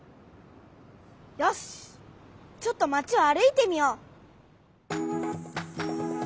よしちょっとまちを歩いてみよう。